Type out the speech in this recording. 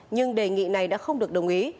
nhưng đề nghị này đã không được đồng ý